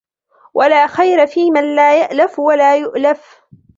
وَلَا خَيْرَ فِيمَنْ لَا يَأْلَفُ وَلَا يُؤْلَفُ